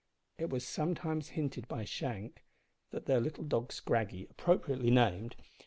It was sometimes hinted by Shank that their little dog Scraggy appropriately named!